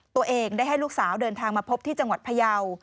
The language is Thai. ตัวเองได้ให้ลูกสาวเดินทางมาพบที่จังหวัดพยาว